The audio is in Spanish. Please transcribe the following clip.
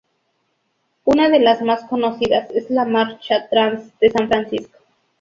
Una de las más conocidas es la Marcha Trans de San Francisco.